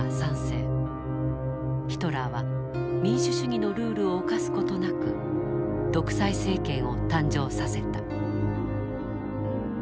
ヒトラーは民主主義のルールを犯す事なく独裁政権を誕生させた。